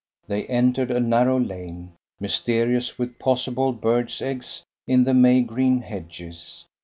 They entered a narrow lane, mysterious with possible birds' eggs in the May green hedges.